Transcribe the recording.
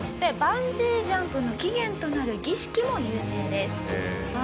バンジージャンプの起源となる儀式も有名です。